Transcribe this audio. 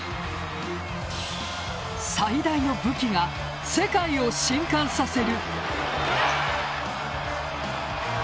最大の武器が世界を震撼させる。